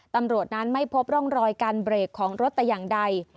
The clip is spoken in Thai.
ตำรวจนั้นไม่พบร่องรอยการเบรกของรถแต่อย่างใด